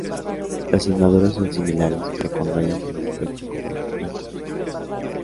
Los inmaduros son similares, pero con rayas en el pecho color blancuzco.